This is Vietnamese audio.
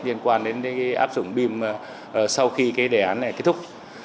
liên quan đến áp dụng bim sau khi cái đề án này kết thúc